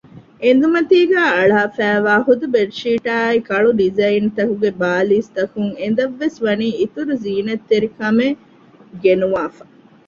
އެނދުމަތީގައި އަޅާފައިވާ ހުދު ބެޑްޝީޓާއި ކަޅު ޑިޒައިންތަކުގެ ބާލީސް ތަކުން އެނދަށްވެސް ވަނީ އިތުރު ޒީނަތްތެރިކަމެއްވަނީ ގެނުވާފަ